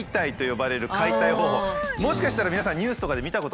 もしかしたら皆さんニュースとかで見たことある。